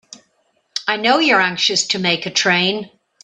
I know you're anxious to make a train.